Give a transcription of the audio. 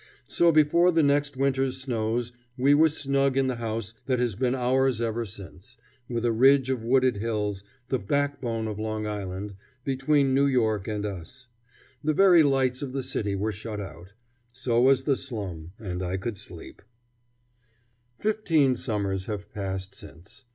So before the next winter's snows we were snug in the house that has been ours ever since, with a ridge of wooded hills, the "backbone of Long Island," between New York and us. The very lights of the city were shut out. So was the slum, and I could sleep. [Illustration: My Little Ones gathering Daisies for 'the Poors'] Fifteen summers have passed since.